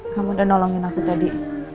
kamu udah nolongin aku tadi